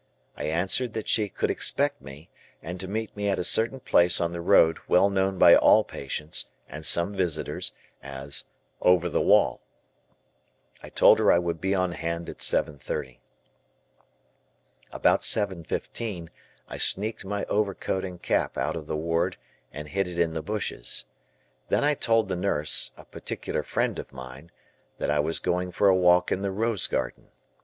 I answered that she could expect me and to meet me at a certain place on the road well known by all patients, and some visitors, as "Over the wall." I told her I would be on hand at seven thirty. About seven fifteen I sneaked my overcoat and cap out of the ward and hid it in the bushes. Then I told the nurse, a particular friend of mine, that I was going for a walk in the rose garden.